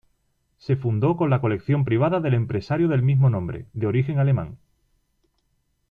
Se fundó con la colección privada del empresario del mismo nombre, de origen alemán.